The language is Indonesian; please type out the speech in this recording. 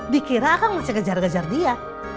dikira kang masih ngejar gejar dia